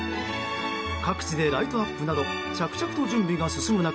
各地でライトアップなど着々と準備が進む中